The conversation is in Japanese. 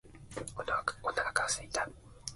お腹が空いた